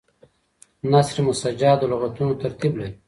نثر مسجع د لغتونو ترتیب لري.